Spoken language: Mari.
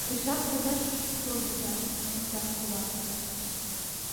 — Тышак кудаш кодыза, — туныкта кува.